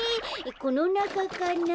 このなかかな？